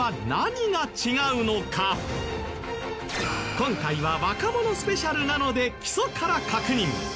今回は若者スペシャルなので基礎から確認。